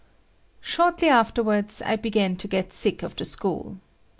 ] Shortly afterwards, I began to get sick of the school.